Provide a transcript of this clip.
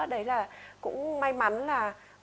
đấy là cũng may mắn là